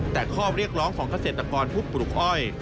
แต่ข้อเรียกร้องของเกษตรกรผู้ปลูกอ้อย